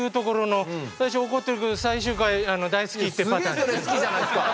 すげえそれ好きじゃないっすか！